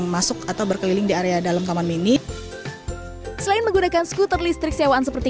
masuk atau berkeliling di area dalam taman mini selain menggunakan skuter listrik sewaan seperti